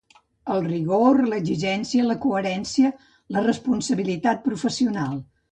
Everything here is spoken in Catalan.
El rigor, l'exigència, la coherència, la responsabilitat professional.